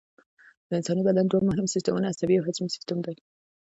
د انساني بدن دوه مهم سیستمونه عصبي او هضمي سیستم دي